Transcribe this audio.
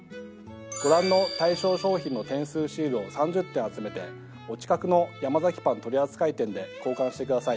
ご覧の対象商品の点数シールを３０点集めてお近くのヤマザキパン取り扱い店で交換してください。